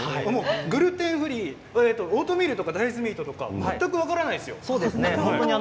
グルテンフリーオートミールとか大豆ミートとか全く分からないですよ。